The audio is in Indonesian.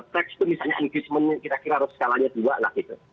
teks itu misalnya engagementnya kira kira harus skalanya dua lah gitu